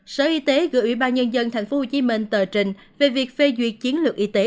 sở y tế gửi ủy ban nhân dân thành phố hồ chí minh tờ trình về việc phê duyệt chiến lược y tế